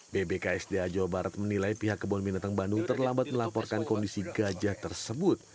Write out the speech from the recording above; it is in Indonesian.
bbksda jawa barat menilai pihak kebun binatang bandung terlambat melaporkan kondisi gajah tersebut